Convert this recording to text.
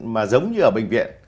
mà giống như ở bệnh viện